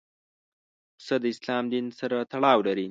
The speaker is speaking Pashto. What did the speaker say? پسه د اسلام دین سره تړاو لري.